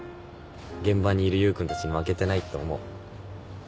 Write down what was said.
現場にいる優君たちに負けてないって思う。